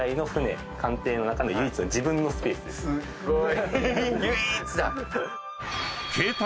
すっごい。